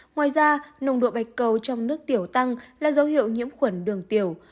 ngoài ra nồng độ bạch cầu trong nước tiểu tăng là dấu hiệu nhiễm khuẩn đường tiểu